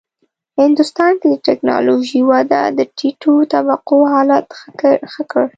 هندوستان کې د ټېکنالوژۍ وده د ټیټو طبقو حالت ښه کړ.